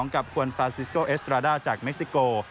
กับกวนฟาซิสโกเอสตราด้าจากเม็กซิโก